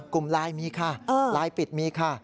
กลุ่มไลน์มีค่ะไลน์ปิดมีค่ะ